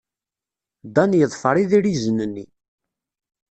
Dan yeḍfer idrizen-nni.